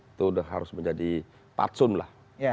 itu sudah harus menjadi patsun lah